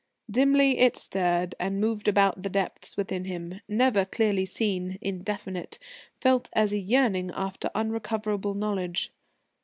Dimly it stirred and moved about the depths within him, never clearly seen, indefinite, felt as a yearning after unrecoverable knowledge.